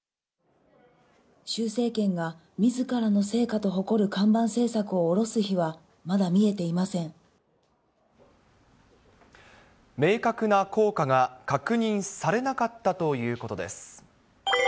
習政権がみずからの成果と誇る看板政策を下ろす日は、まだ見えて明確な効果が確認されなかったということです。